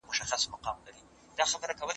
که ښوونکی زده کوونکي وهڅوي، علاقه نه کمېږي.